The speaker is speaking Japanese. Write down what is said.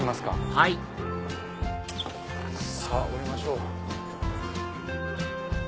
はいさぁ降りましょう。